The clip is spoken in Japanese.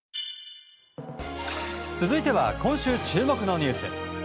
続いては今週注目のニュース。